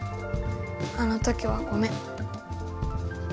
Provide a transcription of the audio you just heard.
あの時はごめん。